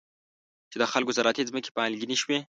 چې د خلکو زراعتي ځمکې مالګینې شوي.